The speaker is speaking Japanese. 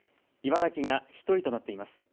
茨城が１人となっています。